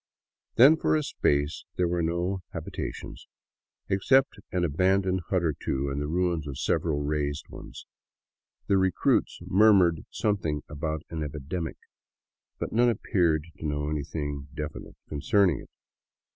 Then for a space there were no habitations, except an abandoned hut or two and the ruins of several razed ones. The recruits mur mured something about an epidemic, but none appeared to know any thing definite concerning it.